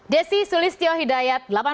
desi sulistyo hidayat